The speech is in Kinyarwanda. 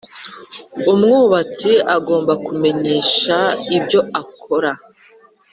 umwubatsi agomba kumenyesha ibyo akora